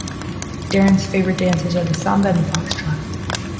Darren's favourite dances are the Samba and the Foxtrot.